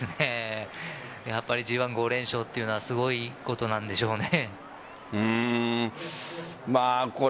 やっぱりＧ１５連勝というのはすごいことなんでしょうね。